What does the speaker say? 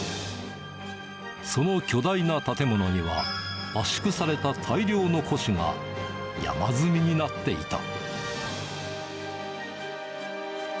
その巨大な建物には、圧縮された大量の古紙が山積みになっていた。